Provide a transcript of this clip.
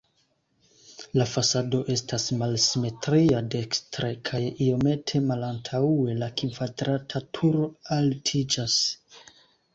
La fasado estas malsimetria, dekstre kaj iomete malantaŭe la kvadrata turo altiĝas.